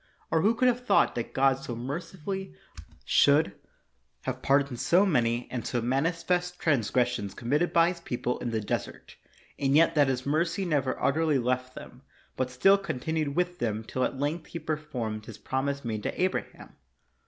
Or who could have thought that God so mercifully should have pardoned so many and so manifest transgressions committed by his people in the desert, and yet that his mercy never utterly left them, but still continued with them till at length he performed his promise made to Abraham?